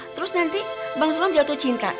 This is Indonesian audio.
terus nanti bang sulam jatuh cinta